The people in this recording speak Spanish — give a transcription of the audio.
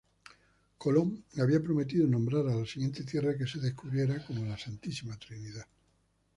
Colón había prometido nombrar a la siguiente tierra que descubriera como la Santísima Trinidad.